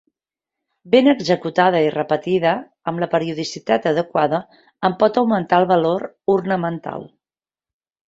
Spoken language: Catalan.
Ben executada i repetida amb la periodicitat adequada, en pot augmentar el valor ornamental.